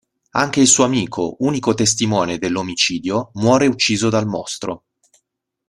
Anche il suo amico, unico testimone dell'omicidio, muore ucciso dal mostro.